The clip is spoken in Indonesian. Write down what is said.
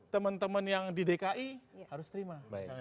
teman teman yang di dki harus terima